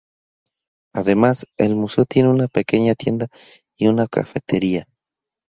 Además, el museo tiene una pequeña tienda y una cafetería.